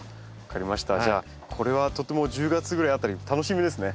じゃあこれはとっても１０月ぐらい辺り楽しみですね。